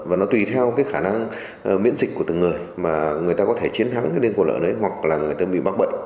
và nó tùy theo cái khả năng miễn dịch của từng người mà người ta có thể chiến thắng cái lên cổ lợn ấy hoặc là người ta bị bác bệnh